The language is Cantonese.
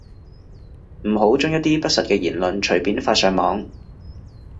唔好將一啲不實嘅言論隨便發上網